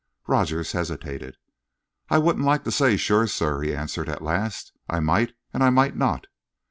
Rogers hesitated. "I wouldn't like to say sure, sir," he answered, at last. "I might and I might not."